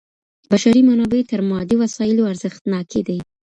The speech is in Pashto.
بشري منابع تر مادي وسایلو ارزښتناکي دي.